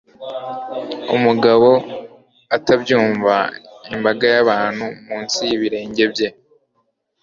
umugabo, atabyumva, imbaga y'abantu munsi y'ibirenge bye